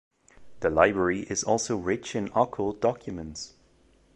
The library is also rich in occult documents.